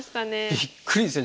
びっくりですよ。